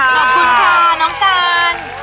ขอบคุณค่ะน้องการ